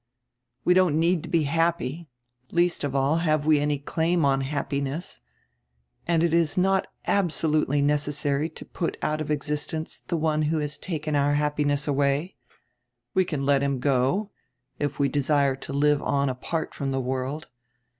We don't need to be happy, least of all have we any claim on happiness, and it is not absolutely necessary to put out of existence the one who has taken our happiness away. We can let him go, if we desire to live on apart from the world.